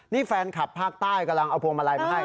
นี่แฟนคลับภาคใต้กำลังเอาพวงมาลัยมาให้